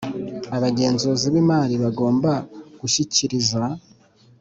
Abagenzuzi b imari bagomba gushyikiriza